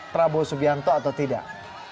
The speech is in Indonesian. prabowo subianto atau tidak